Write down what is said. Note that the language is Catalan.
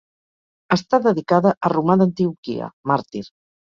Està dedicada a Romà d'Antioquia, màrtir.